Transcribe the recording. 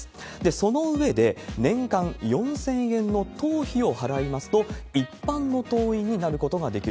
その上で、年間４０００円の党費を払いますと、一般の党員になることができる。